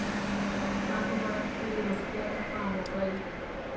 تاسو باید خپلې روغتیا ته پام وکړئ